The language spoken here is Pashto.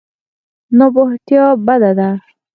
ناپوهتیا بده ده.